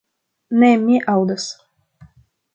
Ne, mi aŭdas.